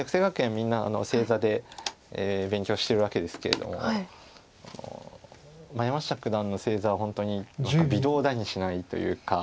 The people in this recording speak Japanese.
みんな正座で勉強してるわけですけれども山下九段の正座は本当に微動だにしないというか。